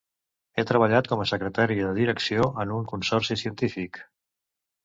Ha treballat com a secretària de direcció en un consorci científic.